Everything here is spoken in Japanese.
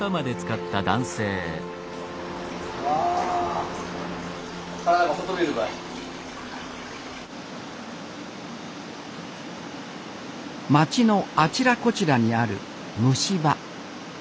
あ町のあちらこちらにある蒸し場。